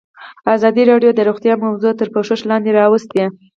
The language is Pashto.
ازادي راډیو د روغتیا موضوع تر پوښښ لاندې راوستې.